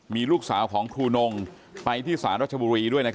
มีลูกสาวของครูนงไปที่สารรัชบุรีด้วย